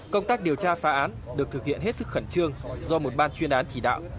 công tác điều tra phá án được thực hiện hết sức khẩn trương do một ban chuyên án chỉ đạo